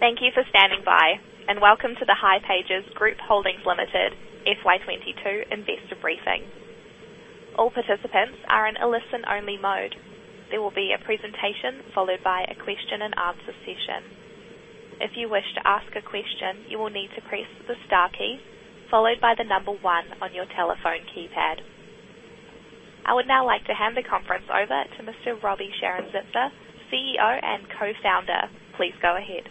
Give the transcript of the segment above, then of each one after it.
Thank you for standing by, and welcome to the hipages Group Holdings Ltd FY 2022 Investor Briefing. All participants are in a listen-only mode. There will be a presentation followed by a question and answer session. If you wish to ask a question, you will need to press the star key followed by the number 1 on your telephone keypad. I would now like to hand the conference over to Mr. Roby Sharon-Zipser, CEO and Co-Founder. Please go ahead.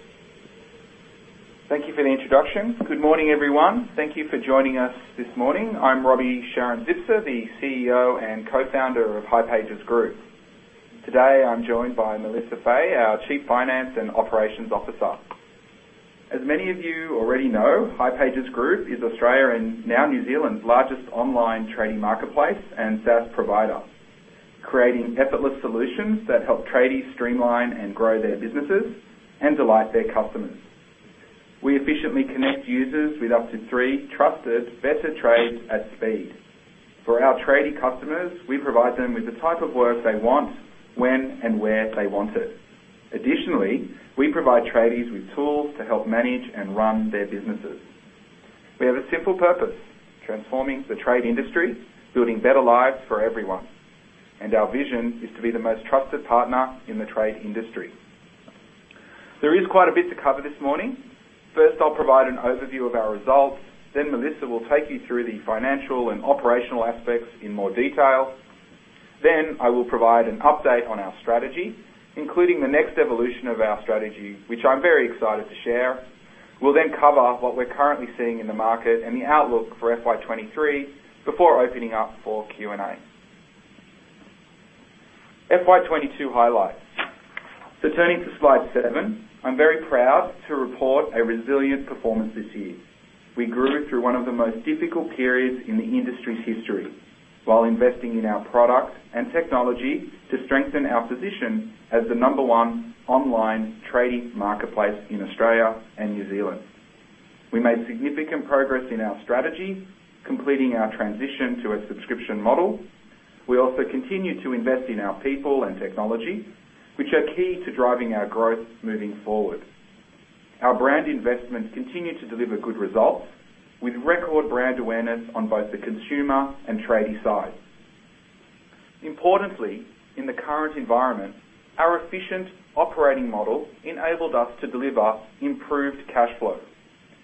Thank you for the introduction. Good morning, everyone. Thank you for joining us this morning. I'm Roby Sharon-Zipser, the CEO and Co-Founder of hipages Group. Today I'm joined by Melissa Fahey, our Chief Finance and Operations Officer. As many of you already know, hipages Group is Australia and now New Zealand's largest online tradie marketplace and SaaS provider, creating effortless solutions that help trades streamline and grow their businesses and delight their customers. We efficiently connect users with up to three trusted better trades at speed. For our tradie customers, we provide them with the type of work they want when and where they want it. Additionally, we provide trades with tools to help manage and run their businesses. We have a simple purpose: transforming the trade industry, building better lives for everyone, and our vision is to be the most trusted partner in the trade industry. There is quite a bit to cover this morning. First, I'll provide an overview of our results. Melissa will take you through the financial and operational aspects in more detail. I will provide an update on our strategy, including the next evolution of our strategy, which I'm very excited to share. We'll then cover what we're currently seeing in the market and the outlook for FY 2023 before opening up for Q&A. FY 2022 highlights. Turning to slide 7. I'm very proud to report a resilient performance this year. We grew through one of the most difficult periods in the industry's history while investing in our product and technology to strengthen our position as the number one online tradie marketplace in Australia and New Zealand. We made significant progress in our strategy, completing our transition to a subscription model. We also continued to invest in our people and technology, which are key to driving our growth moving forward. Our brand investments continued to deliver good results with record brand awareness on both the consumer and tradie side. Importantly, in the current environment, our efficient operating model enabled us to deliver improved cash flow,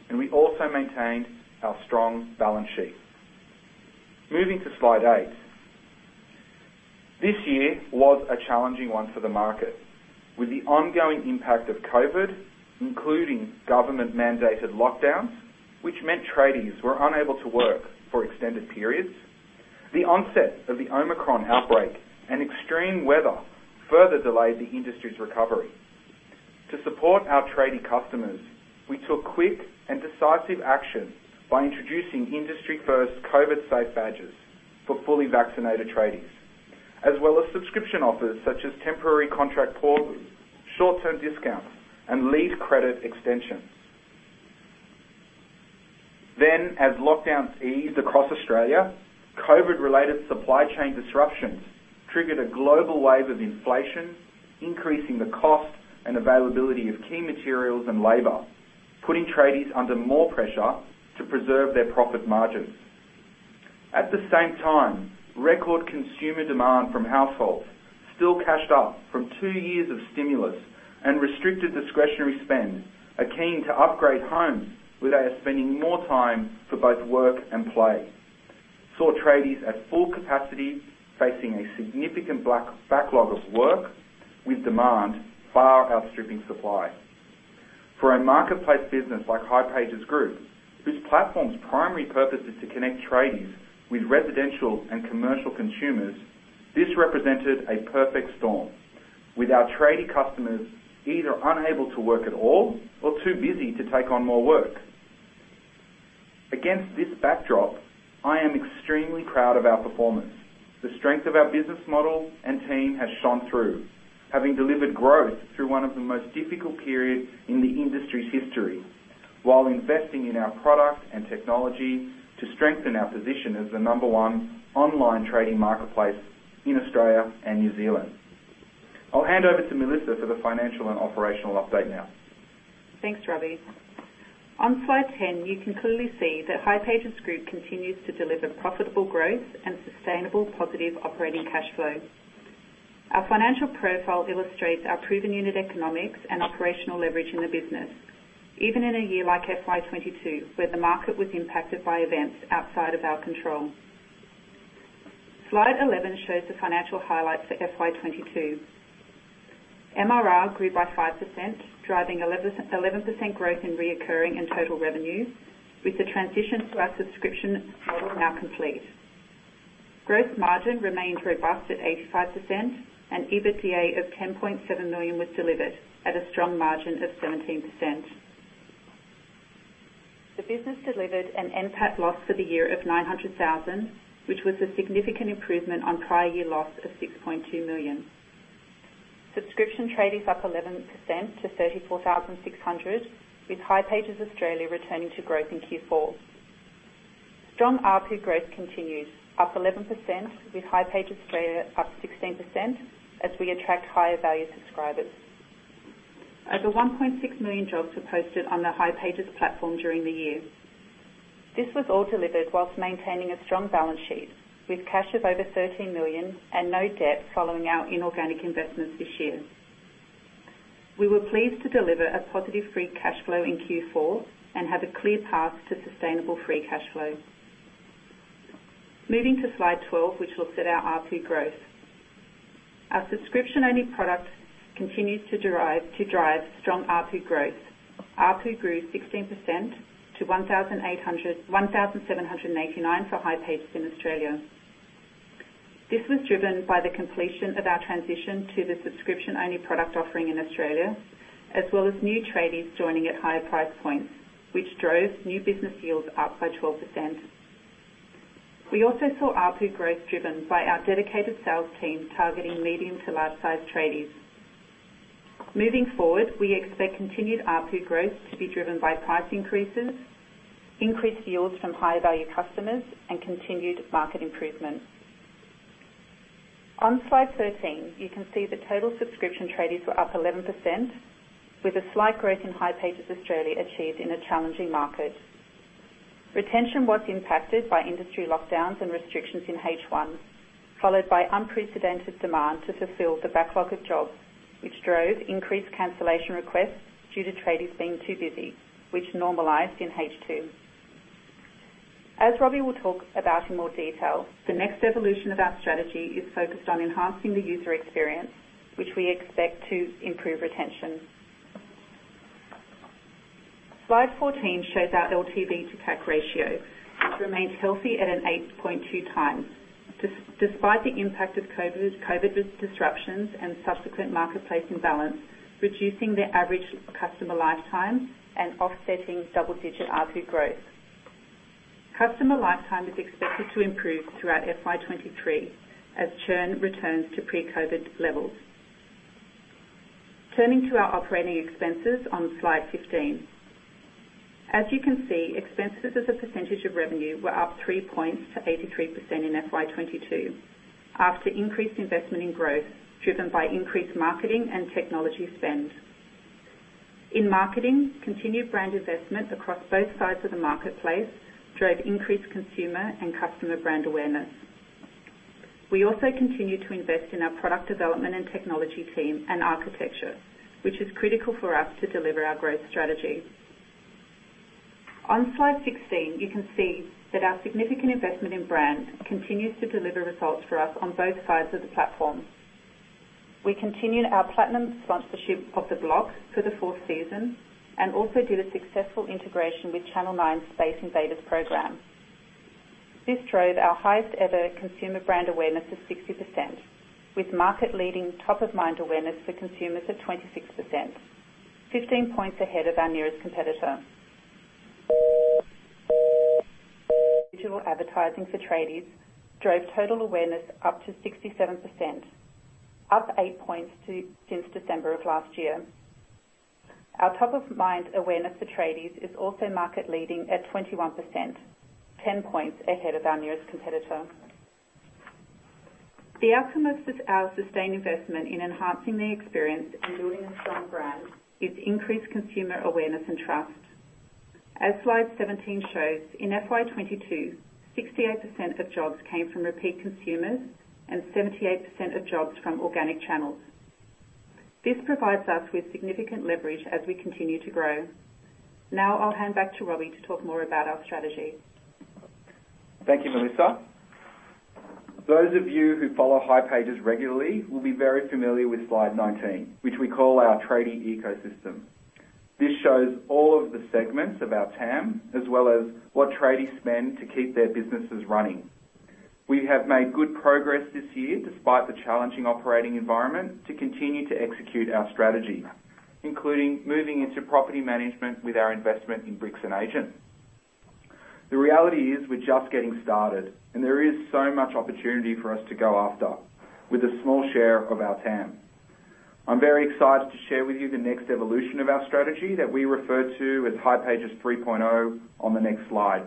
and we also maintained our strong balance sheet. Moving to Slide 8. This year was a challenging one for the market with the ongoing impact of COVID, including government-mandated lockdowns, which meant trades were unable to work for extended periods. The onset of the Omicron outbreak and extreme weather further delayed the industry's recovery. To support our tradie customers, we took quick and decisive action by introducing industry-first COVID Safe Badges for fully vaccinated trades, as well as subscription offers such as temporary contract pauses, short-term discounts, and lead credit extensions. As lockdowns eased across Australia, COVID-related supply chain disruptions triggered a global wave of inflation, increasing the cost and availability of key materials and labor, putting trades under more pressure to preserve their profit margins. At the same time, record consumer demand from households still cashed up from two years of stimulus and restricted discretionary spend are keen to upgrade homes where they are spending more time for both work and play. Saw trades at full capacity, facing a significant backlog of work with demand far outstripping supply. For a marketplace business like hipages Group, whose platform's primary purpose is to connect trades with residential and commercial consumers, this represented a perfect storm, with our tradie customers either unable to work at all or too busy to take on more work. Against this backdrop, I am extremely proud of our performance. The strength of our business model and team has shone through, having delivered growth through one of the most difficult periods in the industry's history, while investing in our product and technology to strengthen our position as the number one online tradie marketplace in Australia and New Zealand. I'll hand over to Melissa for the financial and operational update now. Thanks, Roby. On slide 10, you can clearly see that hipages Group continues to deliver profitable growth and sustainable positive operating cash flow. Our financial profile illustrates our proven unit economics and operational leverage in the business, even in a year like FY 2022, where the market was impacted by events outside of our control. Slide 11 shows the financial highlights for FY 2022. MRR grew by 5%, driving 11% growth in recurring and total revenues, with the transition to our subscription model now complete. Gross margin remained robust at 85% and EBITDA of 10.7 million was delivered at a strong margin of 17%. The business delivered an NPAT loss for the year of 900,000, which was a significant improvement on prior year loss of 6.2 million. Subscription trades up 11% to 34,600, with hipages Australia returning to growth in Q4. Strong ARPU growth continues, up 11% with hipages Australia up 16% as we attract higher value subscribers. Over 1.6 million jobs were posted on the hipages platform during the year. This was all delivered while maintaining a strong balance sheet with cash of over 13 million and no debt following our inorganic investments this year. We were pleased to deliver a positive free cash flow in Q4 and have a clear path to sustainable free cash flow. Moving to slide 12, which looks at our ARPU growth. Our subscription-only product continues to drive strong ARPU growth. ARPU grew 16% to 1,789 for hipages in Australia. This was driven by the completion of our transition to the subscription-only product offering in Australia, as well as new trades joining at higher price points, which drove new business yields up by 12%. We also saw ARPU growth driven by our dedicated sales team targeting medium to large-sized trades. Moving forward, we expect continued ARPU growth to be driven by price increases, increased yields from higher value customers, and continued market improvements. On slide 13, you can see the total subscription trades were up 11% with a slight growth in hipages Australia achieved in a challenging market. Retention was impacted by industry lockdowns and restrictions in H1, followed by unprecedented demand to fulfill the backlog of jobs, which drove increased cancellation requests due to trades being too busy, which normalized in H2. Roby will talk about in more detail, the next evolution of our strategy is focused on enhancing the user experience, which we expect to improve retention. Slide 14 shows our LTV to CAC ratio. It remains healthy at an 8.2x, despite the impact of COVID disruptions and subsequent marketplace imbalance, reducing the average customer lifetime and offsetting double-digit ARPU growth. Customer lifetime is expected to improve throughout FY 2023 as churn returns to pre-COVID levels. Turning to our operating expenses on slide 15. As you can see, expenses as a percentage of revenue were up 3 points to 83% in FY 2022 after increased investment in growth, driven by increased marketing and technology spend. In marketing, continued brand investment across both sides of the marketplace drove increased consumer and customer brand awareness. We also continued to invest in our product development and technology team and architecture, which is critical for us to deliver our growth strategy. On slide 16, you can see that our significant investment in brand continues to deliver results for us on both sides of the platform. We continued our platinum sponsorship of The Block for the fourth season and also did a successful integration with Channel 9's Space Invaders program. This drove our highest ever consumer brand awareness of 60% with market leadingtop-of-mind awareness for consumers of 26%, 15 points ahead of our nearest competitor. Digital advertising for trades drove total awareness up to 67%, up 8 points since December of last year. Ourtop-of-mind awareness for trades is also market leading at 21%, 10 points ahead of our nearest competitor. The outcome of our sustained investment in enhancing the experience and building a strong brand is increased consumer awareness and trust. As slide 17 shows, in FY 2022, 68% of jobs came from repeat consumers and 78% of jobs from organic channels. This provides us with significant leverage as we continue to grow. Now I'll hand back to Roby to talk more about our strategy. Thank you, Melissa. Those of you who follow hipages regularly will be very familiar with slide 19, which we call our Tradie Ecosystem. This shows all of the segments of our TAM, as well as what trades spend to keep their businesses running. We have made good progress this year despite the challenging operating environment to continue to execute our strategy, including moving into property management with our investment in Bricks & Agent. The reality is we're just getting started and there is so much opportunity for us to go after with a small share of our TAM. I'm very excited to share with you the next evolution of our strategy that we refer to as hipages 3.0 on the next slide.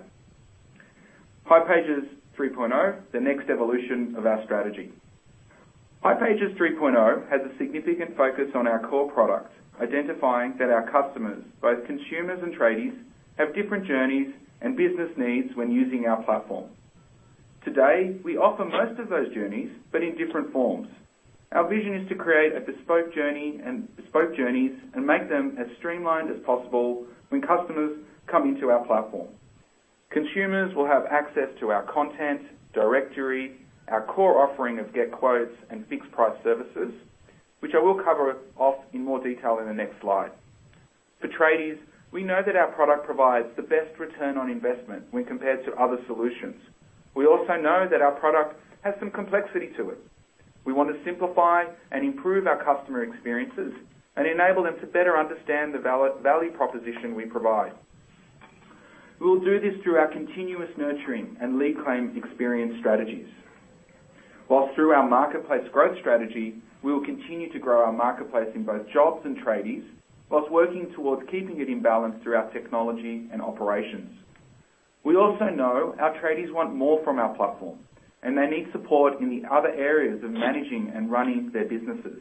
hipages 3.0, the next evolution of our strategy. hipages 3.0 has a significant focus on our core product, identifying that our customers, both consumers and trades, have different journeys and business needs when using our platform. Today, we offer most of those journeys, but in different forms. Our vision is to create a bespoke journey and bespoke journeys and make them as streamlined as possible when customers come into our platform. Consumers will have access to our content, directory, our core offering of Get Quotes and fixed price services, which I will cover off in more detail in the next slide. For trades, we know that our product provides the best return on investment when compared to other solutions. We also know that our product has some complexity to it. We want to simplify and improve our customer experiences and enable them to better understand the value proposition we provide. We will do this through our continuous nurturing and lead claim experience strategies. While through our marketplace growth strategy, we will continue to grow our marketplace in both jobs and trades, while working towards keeping it in balance through our technology and operations. We also know our trades want more from our platform, and they need support in the other areas of managing and running their businesses.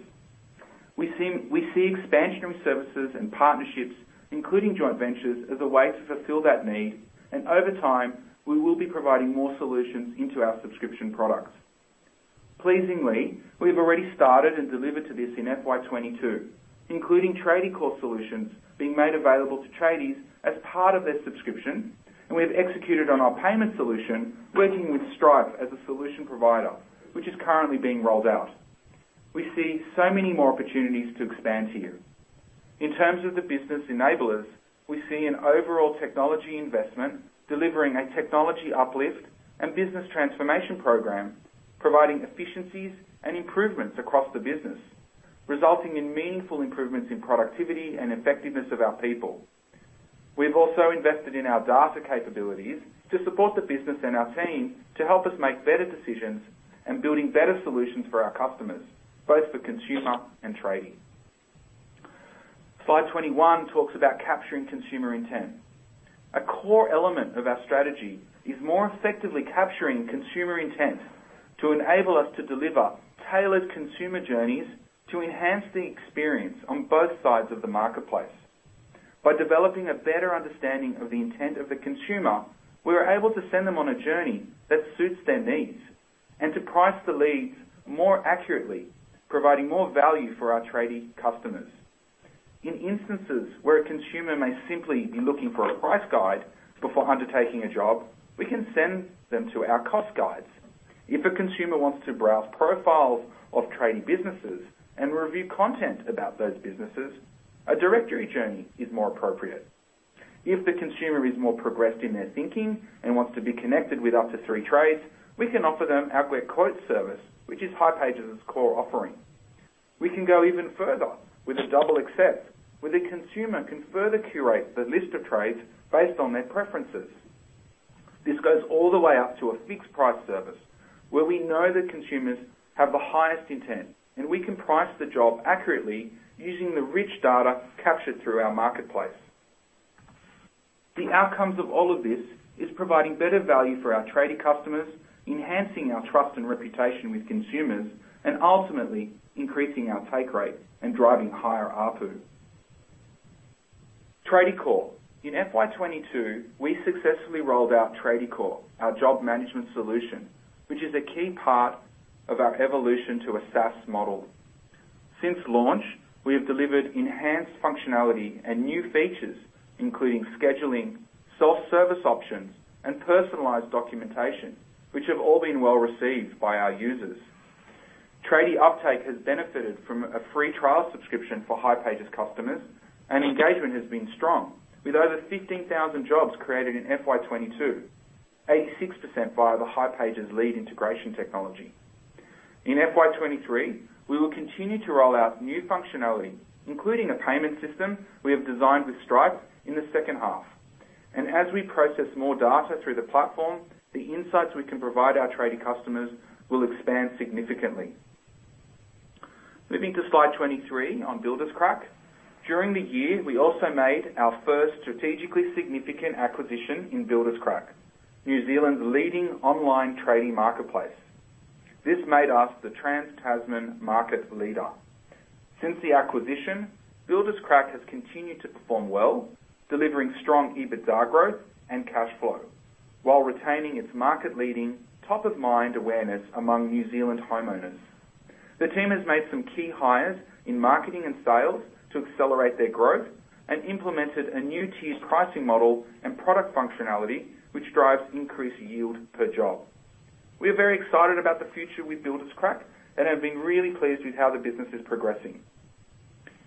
We see expansion services and partnerships, including joint ventures, as a way to fulfill that need. Over time, we will be providing more solutions into our subscription products. Pleasingly, we've already started and delivered to this in FY 2022, including Tradiecore being made available to trades as part of their subscription, and we have executed on our payment solution working with Stripe as a solution provider, which is currently being rolled out. We see so many more opportunities to expand here. In terms of the business enablers, we see an overall technology investment delivering a technology uplift and business transformation program, providing efficiencies and improvements across the business, resulting in meaningful improvements in productivity and effectiveness of our people. We've also invested in our data capabilities to support the business and our team to help us make better decisions and building better solutions for our customers, both for consumer and tradie. Slide 21 talks about capturing consumer intent. A core element of our strategy is more effectively capturing consumer intent to enable us to deliver tailored consumer journeys to enhance the experience on both sides of the marketplace. By developing a better understanding of the intent of the consumer, we are able to send them on a journey that suits their needs and to price the leads more accurately, providing more value for our tradie customers. In instances where a consumer may simply be looking for a price guide before undertaking a job, we can send them to our cost guides. If a consumer wants to browse profiles of tradie businesses and review content about those businesses, a directory journey is more appropriate. If the consumer is more progressed in their thinking and wants to be connected with up to three trades, we can offer them our quote service, which is hipages' core offering. We can go even further with a double accept, where the consumer can further curate the list of trades based on their preferences. This goes all the way up to a fixed price service where we know the consumers have the highest intent, and we can price the job accurately using the rich data captured through our marketplace. The outcomes of all of this is providing better value for our tradie customers, enhancing our trust and reputation with consumers, and ultimately increasing our take rate and driving higher ARPU. Tradiecore. In FY22, we successfully rolled out Tradiecore, our job management solution, which is a key part of our evolution to a SaaS model. Since launch, we have delivered enhanced functionality and new features, including scheduling, self-service options, and personalized documentation, which have all been well received by our users. Tradiecore uptake has benefited from a free trial subscription for hipages customers, and engagement has been strong. With over 15,000 jobs created in FY 2022, 86% via the hipages lead integration technology. In FY 2023, we will continue to roll out new functionality, including a payment system we have designed with Stripe in the second half. As we process more data through the platform, the insights we can provide our tradie customers will expand significantly. Moving to slide 23 on Builderscrack. During the year, we also made our first strategically significant acquisition in Builderscrack, New Zealand's leading online trade marketplace. This made us thetrans-Tasman market leader. Since the acquisition, Builderscrack has continued to perform well, delivering strong EBITDA growth and cash flow while retaining its market-leading, top-of-mind awareness among New Zealand homeowners. The team has made some key hires in marketing and sales to accelerate their growth and implemented a new tiered pricing model and product functionality, which drives increased yield per job. We are very excited about the future with Builderscrack and have been really pleased with how the business is progressing.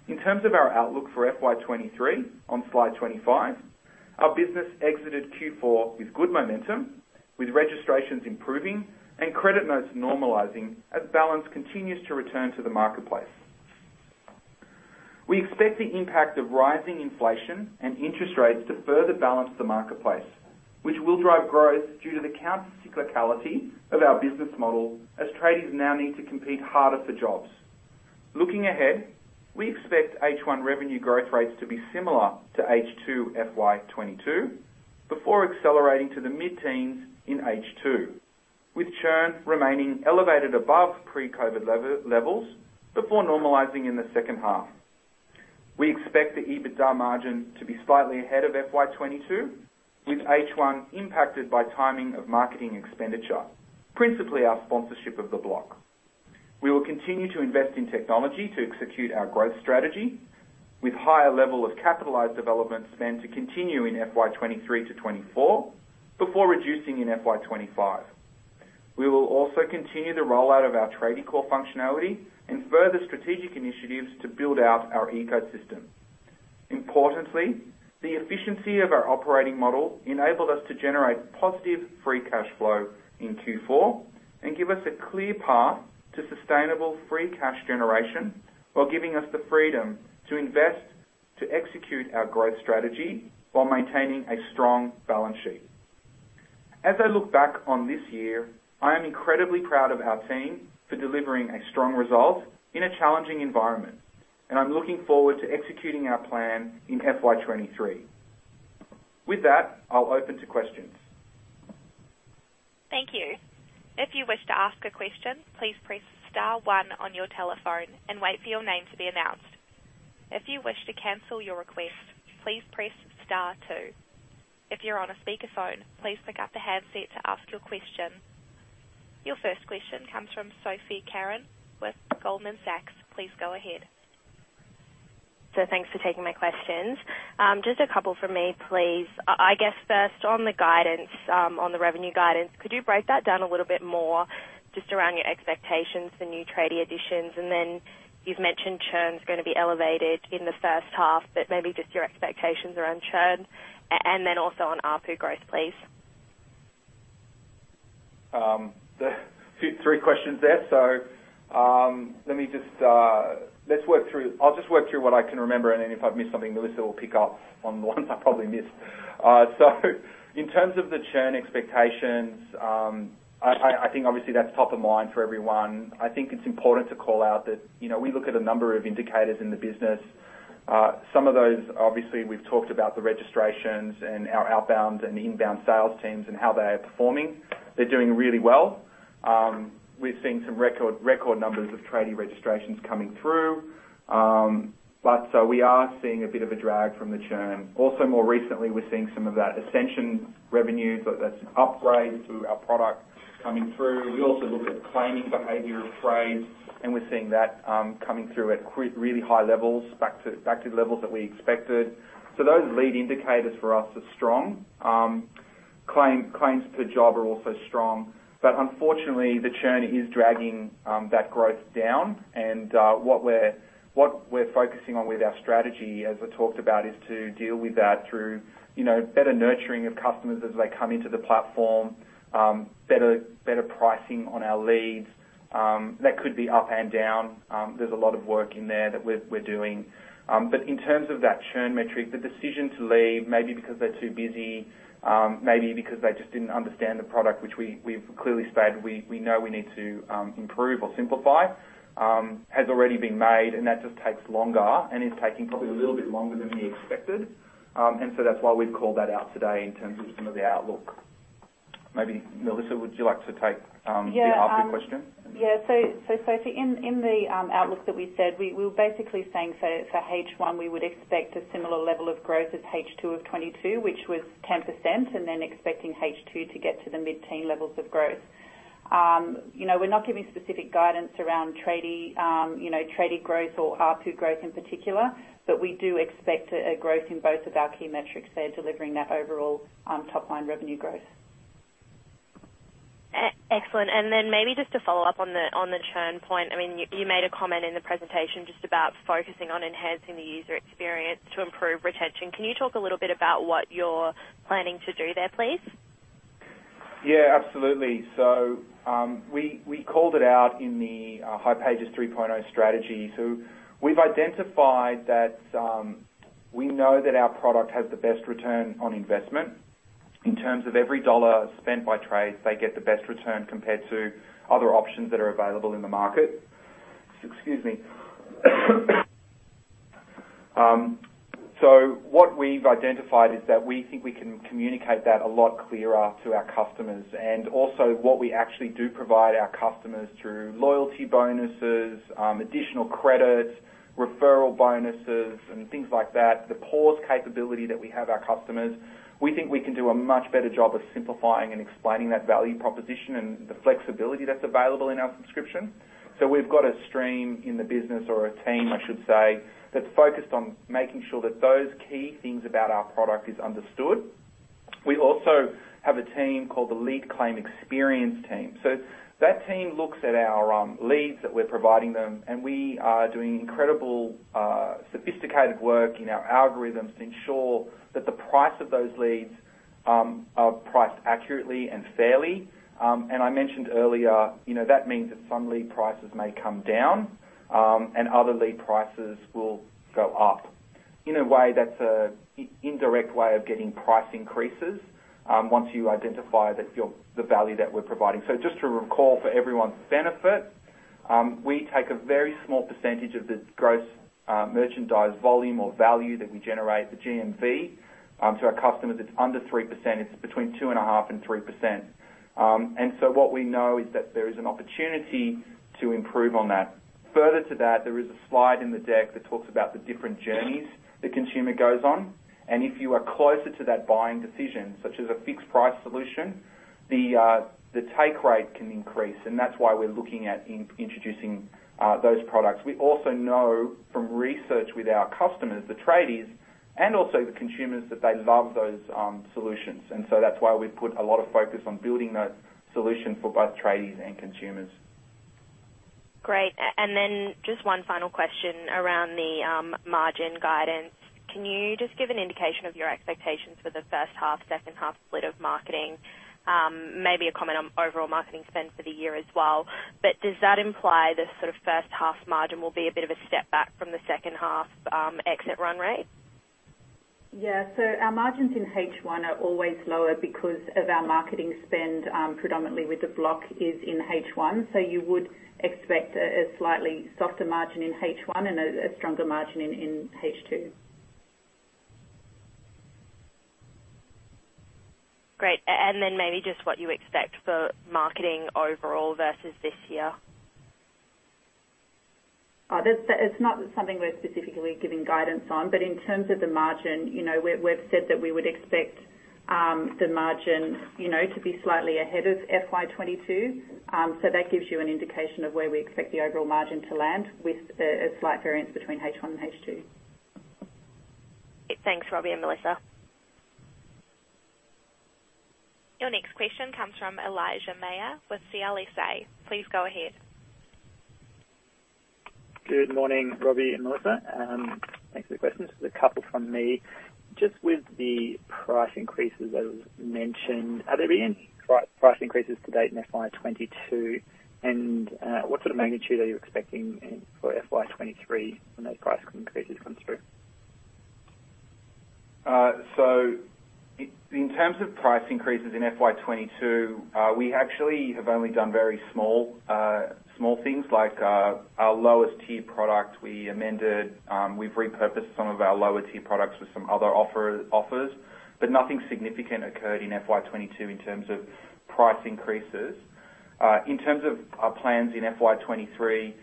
In terms of our outlook for FY 2023 on slide 25, our business exited Q4 with good momentum, with registrations improving and credit notes normalizing as balance continues to return to the marketplace. We expect the impact of rising inflation and interest rates to further balance the marketplace, which will drive growth due to the counter-cyclicality of our business model as trades now need to compete harder for jobs. Looking ahead, we expect H1 revenue growth rates to be similar to H2 FY 2022 before accelerating to the mid-teens in H2, with churn remaining elevated above pre-COVID levels before normalizing in the second half. We expect the EBITDA margin to be slightly ahead of FY 2022, with H1 impacted by timing of marketing expenditure, principally our sponsorship of The Block. We will continue to invest in technology to execute our growth strategy with higher level of capitalised development spend to continue in FY 2023 to 2024 before reducing in FY 2025. We will also continue the rollout of our Tradiecore functionality and further strategic initiatives to build out our ecosystem. Importantly, the efficiency of our operating model enabled us to generate positive free cash flow in Q4 and give us a clear path to sustainable free cash generation while giving us the freedom to invest, to execute our growth strategy while maintaining a strong balance sheet. As I look back on this year, I am incredibly proud of our team for delivering a strong result in a challenging environment, and I'm looking forward to executing our plan in FY 2023. With that, I'll open to questions. Thank you. If you wish to ask a question, please press star one on your telephone and wait for your name to be announced. If you wish to cancel your request, please press star two. If you're on a speakerphone, please pick up the handset to ask your question. Your first question comes from Sophie Carran with Goldman Sachs. Please go ahead. Thanks for taking my questions. Just a couple from me, please. I guess first on the guidance, on the revenue guidance, could you break that down a little bit more just around your expectations for new tradie additions? Then you've mentioned churn is going to be elevated in the first half, but maybe just your expectations around churn and then also on ARPU growth, please. The three questions there. Let me just work through what I can remember, and then if I've missed something, Melissa will pick up on the ones I probably missed. In terms of the churn expectations, I think obviously that's top-of-mind for everyone. I think it's important to call out that, you know, we look at a number of indicators in the business. Some of those, obviously, we've talked about the registrations and our outbound and inbound sales teams and how they are performing. They're doing really well. We've seen some record numbers of tradie registrations coming through. We are seeing a bit of a drag from the churn. Also more recently, we're seeing some of that ascension revenue. That's an upgrade to our product coming through. We also look at claiming behavior of tradies, and we're seeing that coming through at really high levels back to the levels that we expected. Those lead indicators for us are strong. Claims per job are also strong. Unfortunately, the churn is dragging that growth down. What we're focusing on with our strategy, as I talked about, is to deal with that through, you know, better nurturing of customers as they come into the platform, better pricing on our leads. That could be up and down. There's a lot of work in there that we're doing. In terms of that churn metric, the decision to leave, maybe because they're too busy, maybe because they just didn't understand the product, which we've clearly stated we know we need to improve or simplify, has already been made, and that just takes longer and is taking probably a little bit longer than we expected. That's why we've called that out today in terms of some of the outlook. Maybe, Melissa, would you like to take the ARPU question? Sophie, in the outlook that we said, we were basically saying so for H1, we would expect a similar level of growth as H2 of 2022, which was 10%, and then expecting H2 to get to the mid-teen levels of growth. You know, we're not giving specific guidance around tradie, you know, tradie growth or ARPU growth in particular, but we do expect a growth in both of our key metrics there delivering that overall top-line revenue growth. Excellent. Maybe just to follow up on the churn point. I mean, you made a comment in the presentation just about focusing on enhancing the user experience to improve retention. Can you talk a little bit about what you're planning to do there, please? Yeah, absolutely. We called it out in the hipages 3.0 strategy. We've identified that we know that our product has the best return on investment. In terms of every dollar spent by tradies, they get the best return compared to other options that are available in the market. Excuse me. What we've identified is that we think we can communicate that a lot clearer to our customers and also what we actually do provide our customers through loyalty bonuses, additional credits, referral bonuses and things like that, the pause capability that we have our customers. We think we can do a much better job of simplifying and explaining that value proposition and the flexibility that's available in our subscription. We've got a stream in the business or a team, I should say, that's focused on making sure that those key things about our product is understood. We also have a team called the Lead Claim Experience team. That team looks at our leads that we're providing them, and we are doing incredible sophisticated work in our algorithms to ensure that the price of those leads are priced accurately and fairly. I mentioned earlier, you know, that means that some lead prices may come down and other lead prices will go up. In a way, that's an indirect way of getting price increases once you identify that the value that we're providing. Just to recall for everyone's benefit, we take a very small percentage of the gross merchandise volume or value that we generate, the GMV. To our customers, it's under 3%. It's between 2.5%–3%. What we know is that there is an opportunity to improve on that. Further to that, there is a slide in the deck that talks about the different journeys the consumer goes on. If you are closer to that buying decision, such as a fixed price solution, the take rate can increase, and that's why we're looking at introducing those products. We also know from research with our customers, the trades and also the consumers, that they love those solutions. That's why we've put a lot of focus on building those solutions for both trades and consumers. Great. And then just one final question around the margin guidance. Can you just give an indication of your expectations for the first half, second half split of marketing? Maybe a comment on overall marketing spend for the year as well. Does that imply the sort of first half margin will be a bit of a step back from the second half exit run rate? Yeah. Our margins in H1 are always lower because of our marketing spend, predominantly with The Block, is in H1. You would expect a slightly softer margin in H1 and a stronger margin in H2. Great. Maybe just what you expect for marketing overall versus this year? It's not something we're specifically giving guidance on, but in terms of the margin, you know, we've said that we would expect the margin, you know, to be slightly ahead of FY 2022. So that gives you an indication of where we expect the overall margin to land with a slight variance between H1 and H2. Thanks, Roby and Melissa. Your next question comes from Elijah Maher with CLSA. Please go ahead. Good morning, Roby and Melissa. Thanks for the questions. There's a couple from me. Just with the price increases that was mentioned, have there been price increases to date in FY22? And, what sort of magnitude are you expecting in forFY23 when those price increases come through? In terms of price increases in FY 2022, we actually have only done very small things like our lowest tier product. We amended, we've repurposed some of our lower tier products with some other offers, but nothing significant occurred in FY 2022 in terms of price increases. In terms of our plans in FY 2023,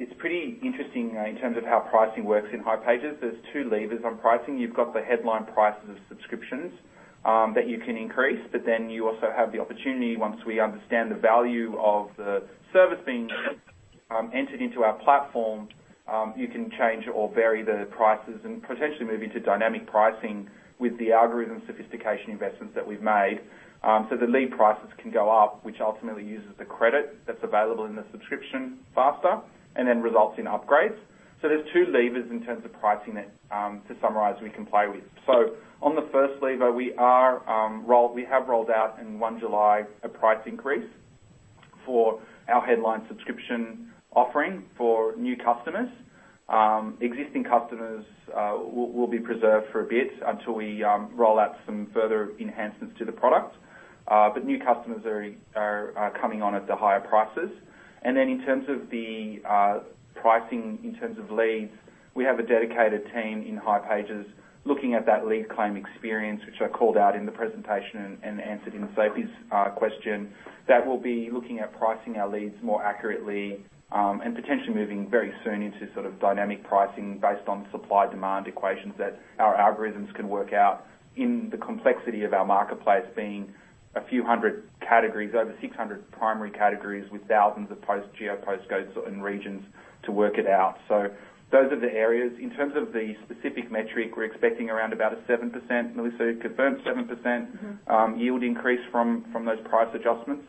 it's pretty interesting in terms of how pricing works in hipages. There's two levers on pricing. You've got the headline prices of subscriptions that you can increase, but then you also have the opportunity once we understand the value of the service being entered into our platform, you can change or vary the prices and potentially move into dynamic pricing with the algorithmic sophistication investments that we've made. The lead prices can go up, which ultimately uses the credit that's available in the subscription faster and then results in upgrades. There's two levers in terms of pricing that, to summarize, we can play with. On the first lever, we have rolled out on 1 July a price increase for our headline subscription offering for new customers. Existing customers will be preserved for a bit until we roll out some further enhancements to the product. New customers are coming on at the higher prices. In terms of the pricing, in terms of leads, we have a dedicated team in hipages looking at that lead claim experience, which I called out in the presentation and answered in Sophie's question. That will be looking at pricing our leads more accurately, and potentially moving very soon into sort of dynamic pricing based on supply–demand equations that our algorithms can work out in the complexity of our marketplace being a few hundred categories, over 600 primary categories with thousands of postcodes and regions to work it out. Those are the areas. In terms of the specific metric, we're expecting around about a 7%. Melissa, confirm 7%? Mm-hmm. Yield increase from those price adjustments.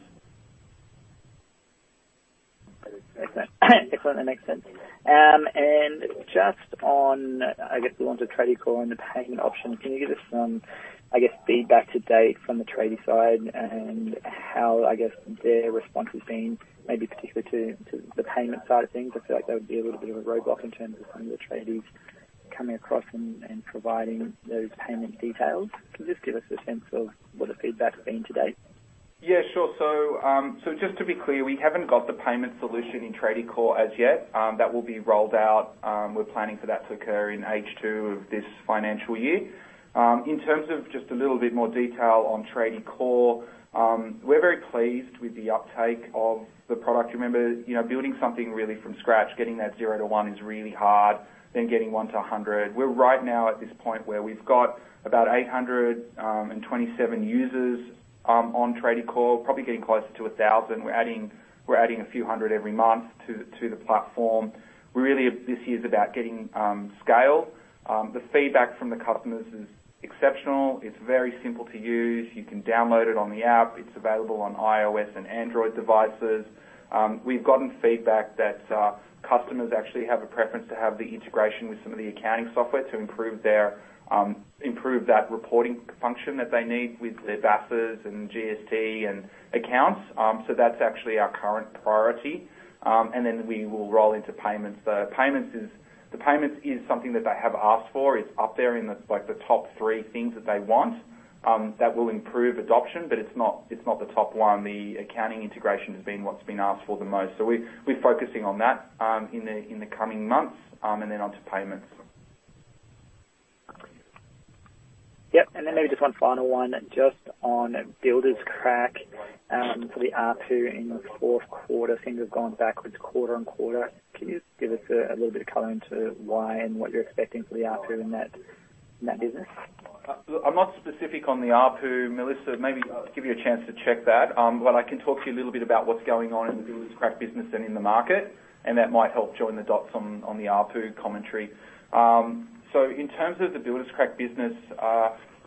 Excellent. That makes sense. Just on, I guess the launch of Tradiecore and the payment options, can you give us some, I guess, feedback to date from the tradie side and how, I guess, their response has been maybe particular to the payment side of things? I feel like that would be a little bit of a roadblock in terms of some of the trades coming across and providing those payment details. Can you just give us a sense of what the feedback's been to date? Yeah, sure. Just to be clear, we haven't got the payment solution in Tradiecore as yet. That will be rolled out. We're planning for that to occur in H2 of this financial year. In terms of just a little bit more detail on Tradiecore, we're very pleased with the uptake of the product. Remember, you know, building something really from scratch, getting that 0 to 1 is really hard, then getting 1 to 100. We're right now at this point where we've got about 827 users on Tradiecore, probably getting closer to 1,000. We're adding a few hundred every month to the platform. Really this year's about getting scale. The feedback from the customers is exceptional. It's very simple to use. You can download it on the app. It's available on iOS and Android devices. We've gotten feedback that customers actually have a preference to have the integration with some of the accounting software to improve that reporting function that they need with their BAS and GST and accounts. That's actually our current priority. Then we will roll into payments. The payments is something that they have asked for. It's up there in the, like the top three things that they want that will improve adoption, but it's not the top one. The accounting integration has been what's been asked for the most. We're focusing on that in the coming months, and then onto payments. Yep. Maybe just one final one just on Builderscrack, for the ARPU in the fourth quarter, things have gone backwards quarter-on-quarter. Can you just give us a little bit of color into why and what you're expecting for the ARPU in that business? I'm not specific on the ARPU. Melissa, maybe I'll give you a chance to check that. I can talk to you a little bit about what's going on in the Builderscrack business and in the market, and that might help join the dots on the ARPU commentary. In terms of the Builderscrack business,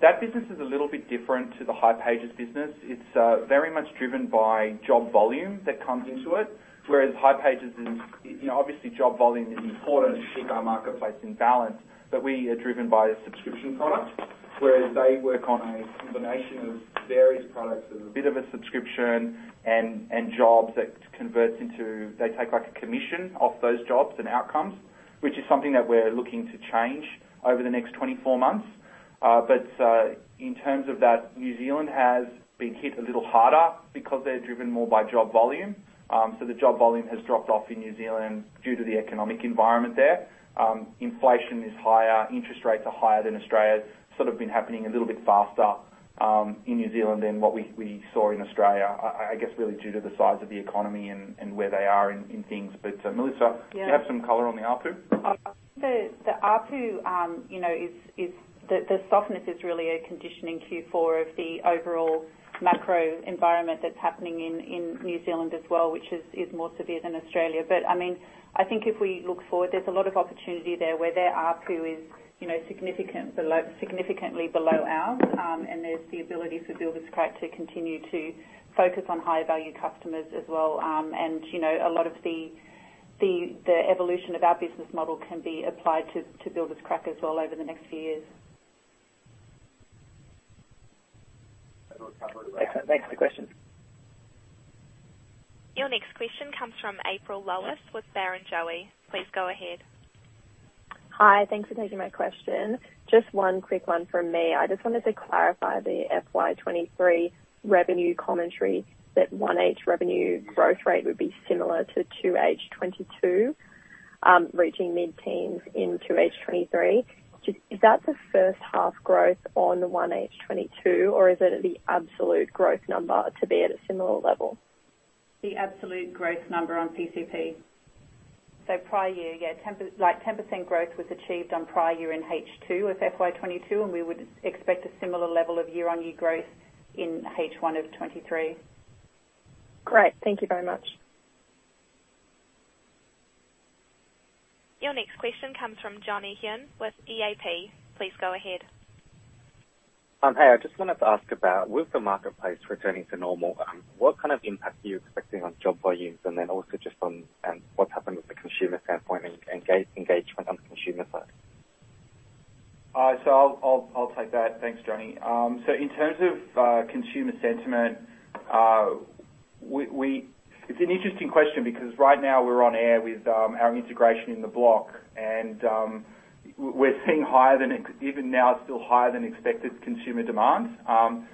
that business is a little bit different to the hipages business. It's very much driven by job volume that comes into it, whereas hipages is, you know, obviously job volume is important to keep our marketplace in balance, but we are driven by a subscription product, whereas they work on a combination of various products. There's a bit of a subscription and jobs that converts into. They take like a commission off those jobs and outcomes, which is something that we're looking to change over the next 24 months. In terms of that, New Zealand has been hit a little harder because they're driven more by job volume. The job volume has dropped off in New Zealand due to the economic environment there. Inflation is higher, interest rates are higher than Australia's. Sort of been happening a little bit faster in New Zealand than what we saw in Australia, I guess really due to the size of the economy and where they are in things. Melissa? Yeah. Do you have some color on the ARPU? I think the ARPU, you know, is the softness is really a condition in Q4 of the overall macro environment that's happening in New Zealand as well, which is more severe than Australia. I mean, I think if we look forward, there's a lot of opportunity there where their ARPU is, you know, significantly below ours. And there's the ability for Builderscrack to continue to focus on higher value customers as well. You know, a lot of the evolution of our business model can be applied to Builderscrack as well over the next few years. Thanks for the question. Your next question comes from Tim Piper with Barrenjoey. Please go ahead. Hi. Thanks for taking my question. Just one quick one from me. I just wanted to clarify the FY 2023 revenue commentary that 1H revenue growth rate would be similar to 2H 2022, reaching mid-teens in 2H 2023. Just, is that the first half growth on the 1H 2022, or is it the absolute growth number to be at a similar level? The absolute growth number on pcp. Prior year, yeah, like, 10% growth was achieved on prior year in H2 of FY 2022, and we would expect a similar level of year-on-year growth in H1 of 2023. Great. Thank you very much. Your next question comes from Johnny Huynh with Wilsons. Please go ahead. Hey, I just wanted to ask about, with the marketplace returning to normal, what kind of impact are you expecting on job volumes? Also just on, what's happened with the consumer standpoint and engagement on the consumer side? I'll take that. Thanks, Johnny. In terms of consumer sentiment, it's an interesting question because right now we're on air with our integration in The Block, and we're seeing higher than expected, even now it's still higher than expected consumer demand.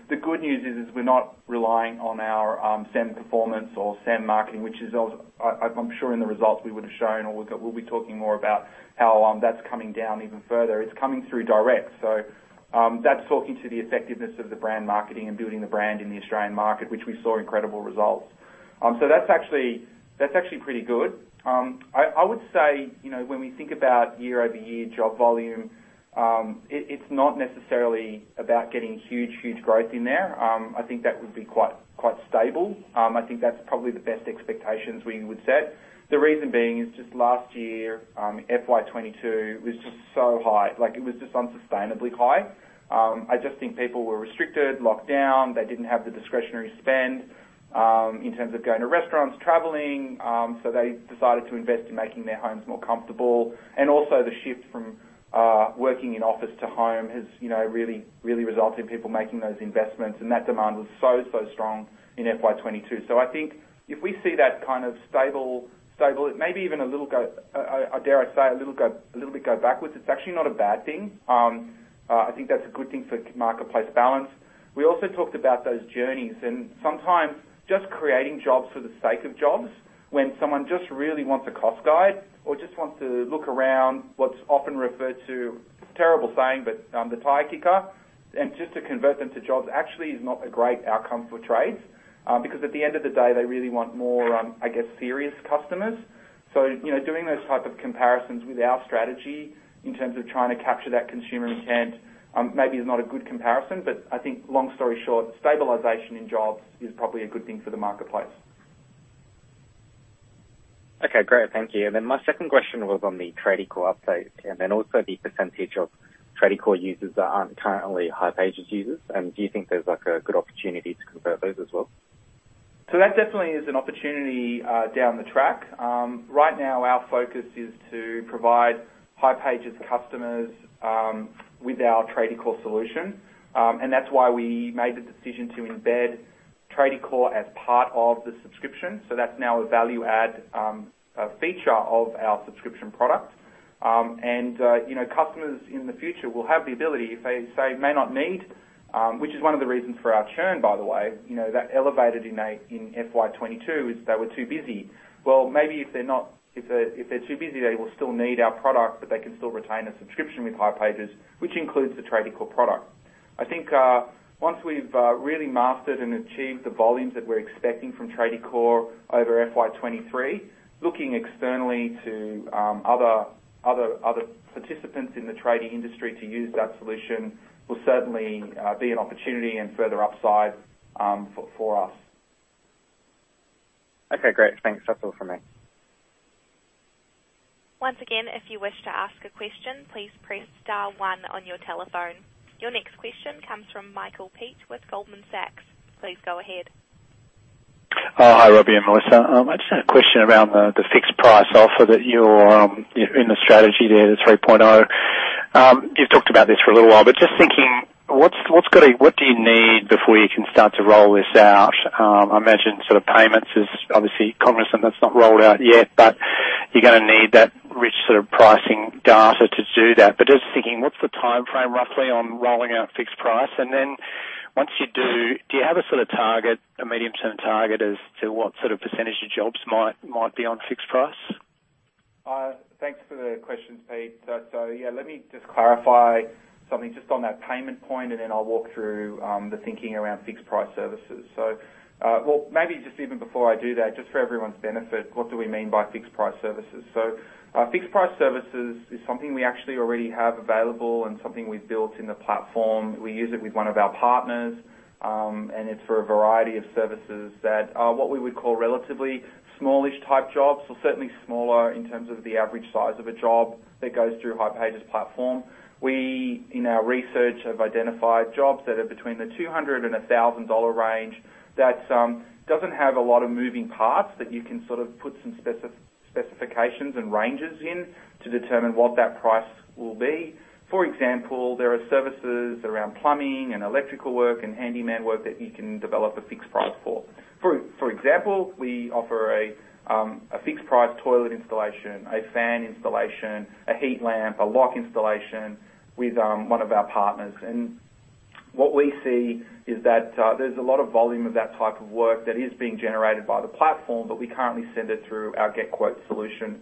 The good news is we're not relying on our SEM performance or SEM marketing, which is also, I'm sure, in the results we would have shown or we'll be talking more about how that's coming down even further. It's coming through direct. That's talking to the effectiveness of the brand marketing and building the brand in the Australian market, which we saw incredible results. That's actually pretty good. I would say, you know, when we think about year-over-year job volume, it's not necessarily about getting huge growth in there. I think that would be quite stable. I think that's probably the best expectations we would set. The reason being is just last year, FY 2022 was just so high. Like, it was just unsustainably high. I just think people were restricted, locked down. They didn't have the discretionary spend in terms of going to restaurants, traveling, so they decided to invest in making their homes more comfortable. Also the shift from working in office to home has, you know, really resulted in people making those investments, and that demand was so strong in FY 2022. I think if we see that kind of stable, it may be even a little bit go backwards, it's actually not a bad thing. I think that's a good thing for marketplace balance. We also talked about those journeys, and sometimes just creating jobs for the sake of jobs when someone just really wants a cost guide or just wants to look around what's often referred to, terrible saying, but, the tire kicker, and just to convert them to jobs actually is not a great outcome for trades. Because at the end of the day, they really want more, I guess, serious customers. You know, doing those types of comparisons with our strategy in terms of trying to capture that consumer intent, maybe is not a good comparison, but I think long story short, stabilization in jobs is probably a good thing for the marketplace. Okay, great. Thank you. My second question was on the Tradiecore update and then also the percentage of Tradiecore users that aren't currently hipages users. Do you think there's like a good opportunity to convert those as well? That definitely is an opportunity down the track. Right now our focus is to provide hipages customers with our Tradiecore solution. That's why we made the decision to embed Tradiecore as part of the subscription. That's now a value-add feature of our subscription product. You know, customers in the future will have the ability if they may not need, which is one of the reasons for our churn by the way. You know, that elevated in FY 2022 is they were too busy. Well, maybe if they're too busy, they will still need our product, but they can still retain a subscription with hipages, which includes the Tradiecore product. I think, once we've really mastered and achieved the volumes that we're expecting from Tradiecore over FY23, looking externally to other participants in the tradie industry to use that solution will certainly be an opportunity and further upside for us. Okay, great. Thanks. That's all for me. Once again, if you wish to ask a question, please press star one on your telephone. Your next question comes from Nicholas Peach with Goldman Sachs. Please go ahead. Oh, hi, Roby and Melissa. I just had a question around the fixed price offer that you're in the strategy there, the 3.0. You've talked about this for a little while, but just thinking what do you need before you can start to roll this out. I imagine sort of payments is obviously cognisant that's not rolled out yet, but you're going to need that rich sort of pricing data to do that. But just thinking, what's the timeframe roughly on rolling out fixed price. And then once you do you have a sort of target, a medium-term target as to what sort of percentage of jobs might be on fixed price. Thanks for the question, Nicholas. Yeah, let me just clarify something just on that payment point, and then I'll walk through the thinking around fixed price services. Well, maybe just even before I do that, just for everyone's benefit, what do we mean by fixed price services? Fixed price services is something we actually already have available and something we've built in the platform. We use it with one of our partners, and it's for a variety of services that are what we would call relatively smallish type jobs. Certainly smaller in terms of the average size of a job that goes through hipages platform. We, in our research, have identified jobs that are between 200–1,000 dollar range that doesn't have a lot of moving parts that you can sort of put some specifications and ranges in to determine what that price will be. For example, there are services around plumbing and electrical work and handyman work that you can develop a fixed price for. For example, we offer a fixed price toilet installation, a fan installation, a heat lamp, a lock installation with one of our partners. What we see is that there's a lot of volume of that type of work that is being generated by the platform, but we currently send it through our Get Quotes solution.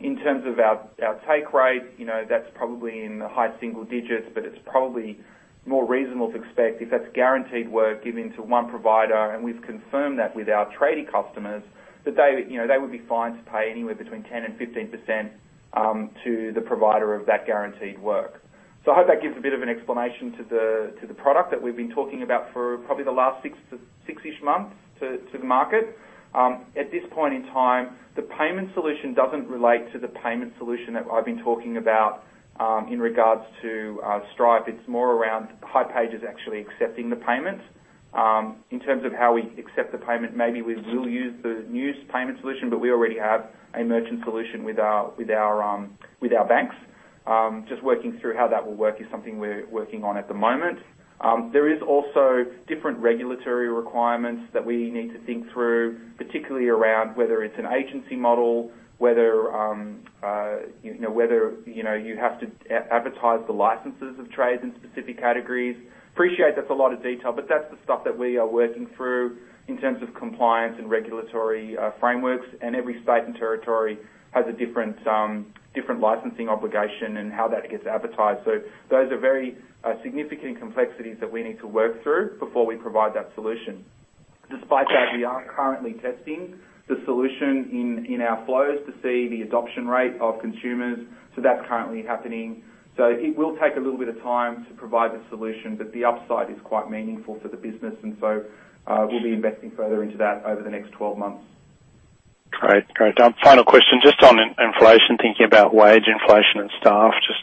In terms of our take rate, you know, that's probably in the high single digits%, but it's probably more reasonable to expect if that's guaranteed work given to one provider, and we've confirmed that with our tradie customers, that they, you know, they would be fine to pay anywhere between 10%–15% to the provider of that guaranteed work. I hope that gives a bit of an explanation to the product that we've been talking about for probably the last six to six-ish months to the market. At this point in time, the payment solution doesn't relate to the payment solution that I've been talking about in regard to Stripe. It's more around hipages actually accepting the payment. In terms of how we accept the payment, maybe we will use the new payment solution, but we already have a merchant solution with our banks. Just working through how that will work is something we're working on at the moment. There is also different regulatory requirements that we need to think through, particularly around whether it's an agency model, whether you know you have to advertise the licences of trades in specific categories. Appreciate that's a lot of detail, but that's the stuff that we are working through in terms of compliance and regulatory frameworks. Every state and territory has a different licensing obligation and how that gets advertised. Those are very significant complexities that we need to work through before we provide that solution. Despite that, we are currently testing the solution in our flows to see the adoption rate of consumers. That's currently happening. It will take a little bit of time to provide the solution, but the upside is quite meaningful for the business. We'll be investing further into that over the next 12 months. Great. Final question, just on inflation, thinking about wage inflation and staff, just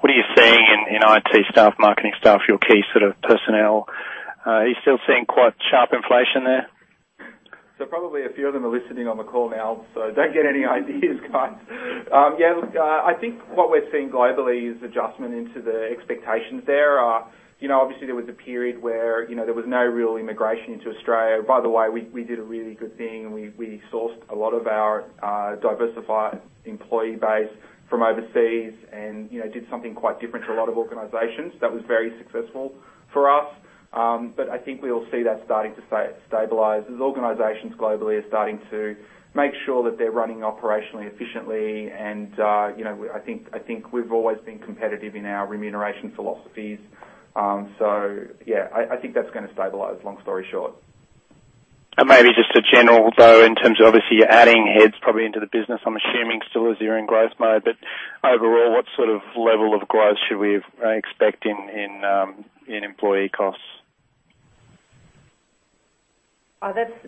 what are you seeing in IT staff, marketing staff, your key sort of personnel? Are you still seeing quite sharp inflation there? Probably a few of them are listening on the call now, so don't get any ideas, guys. I think what we're seeing globally is adjustment to the expectations. Obviously there was a period where there was no real immigration into Australia. By the way, we did a really good thing and we sourced a lot of our diversified employee base from overseas and did something quite different to a lot of organizations. That was very successful for us. I think we'll see that starting to stabilize as organizations globally are starting to make sure that they're running operationally efficiently. I think we've always been competitive in our remuneration philosophies. I think that's going to stabilize, long story short. Maybe just a general thought, in terms of obviously you're adding heads probably into the business, I'm assuming still as you're in growth mode, but overall, what sort of level of growth should we expect in employee costs?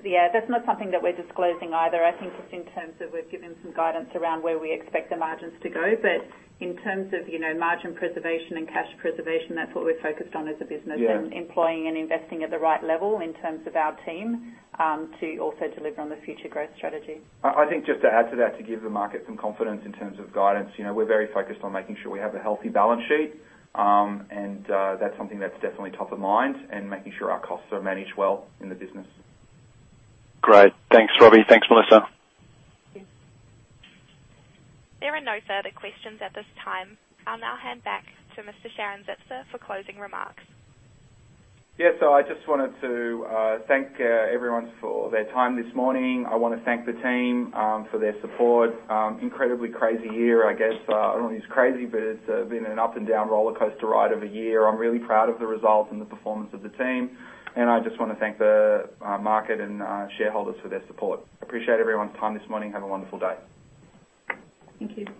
Yeah, that's not something that we're disclosing either. I think just in terms of we've given some guidance around where we expect the margins to go. In terms of, you know, margin preservation and cash preservation, that's what we're focused on as a business. Yeah. Employing and investing at the right level in terms of our team, to also deliver on the future growth strategy. I think just to add to that, to give the market some confidence in terms of guidance, you know, we're very focused on making sure we have a healthy balance sheet. That's something that's definitely top-of-mind and making sure our costs are managed well in the business. Great. Thanks, Roby. Thanks, Melissa. Thanks. There are no further questions at this time. I'll now hand back to Mr. Roby Sharon-Zipser for closing remarks. I just wanted to thank everyone for their time this morning. I want to thank the team for their support. Incredibly crazy year, I guess. I don't want to use crazy, but it's been an up and down roller-coaster ride of a year. I'm really proud of the results and the performance of the team, and I just want to thank the market and shareholders for their support. Appreciate everyone's time this morning. Have a wonderful day. Thank you.